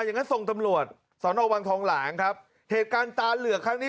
อย่างนั้นส่งตำรวจสอนอวังทองหลางครับเหตุการณ์ตาเหลือกครั้งนี้